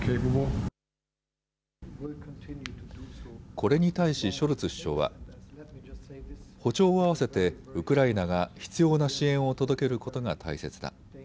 これに対しショルツ首相は歩調を合わせてウクライナが必要な支援を届けることが大切だ。